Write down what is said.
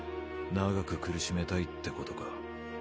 長く苦しめたいってことか